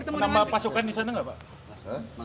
menambah pasukan disana gak pak